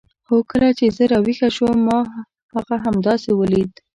هو کله چې زه راویښه شوم ما هغه همداسې ولید.